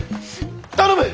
頼む！